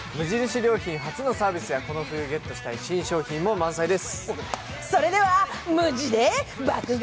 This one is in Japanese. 良品初のサービスやこの冬ゲットしたい新商品も満載です。